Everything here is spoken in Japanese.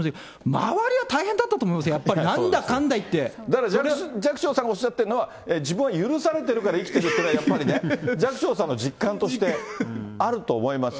周りは大変だったと思いますよ、だから寂聴さんおっしゃってるのは、自分は許されてるから生きてるっていうことはね、やっぱり寂聴さんの実感としてあると思いますよ。